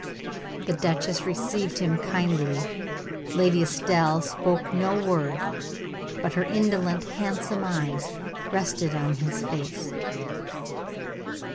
The duchess received him kindly. Lady Estelle spoke no word, but her indolent, handsome eyes, rested on his face.